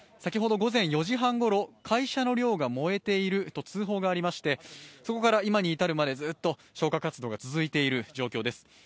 午前４時半ごろ、会社の寮が燃えていると通報がありましてそこから今に至るまでずっと消火活動が続いている状況です。